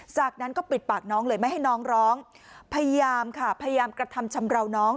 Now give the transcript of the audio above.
จากนั้นก็ปิดปากน้องเลยไม่ให้น้องร้องพยายามค่ะพยายามกระทำชำราวน้อง